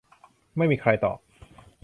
ไม่มีใครตอบ